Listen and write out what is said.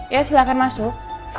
ya silahkan masuk